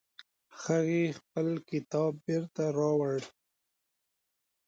هغې خپل کتاب بیرته راوړ